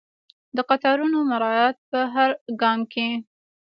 د قطارونو مراعات په هر ګام کې.